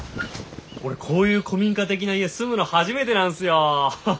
俺こういう古民家的な家住むの初めてなんすよ。